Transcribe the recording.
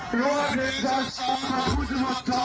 พร้อมมือมาเถิดให้คุณอนุมัติ